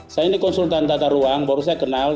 saya ini konsultan tata ruang baru saya kenal